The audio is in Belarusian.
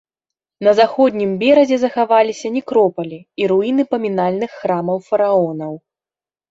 На заходнім беразе захаваліся некропалі і руіны памінальных храмаў фараонаў.